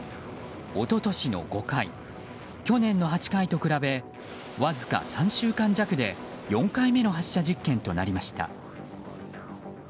一昨年の５回、去年の８回と比べわずか３週間弱で４回目の発射実験となりました。